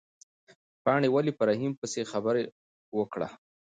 پاڼې ولې په رحیم پسې خبره وکړه؟